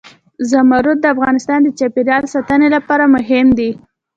زمرد د افغانستان د چاپیریال ساتنې لپاره مهم دي.